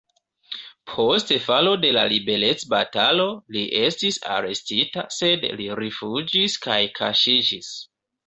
Post falo de la liberecbatalo li estis arestita, sed li rifuĝis kaj kaŝiĝis.